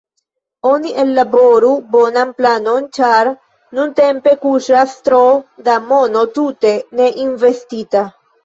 Oni ellaboru bonan planon, ĉar nuntempe kuŝas tro da mono tute ne investite.